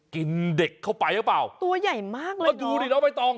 กินเด็กเข้าไปหรือเปล่าตัวใหญ่มากเลยเนอะดูดิเนอะไม่ต้อง